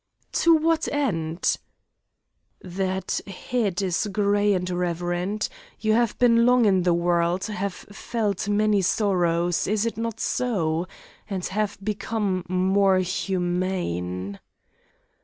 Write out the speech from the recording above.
"To what end?" "That head is gray and reverend. You have been long in the world have felt many sorrows is it not so? And have become more humane."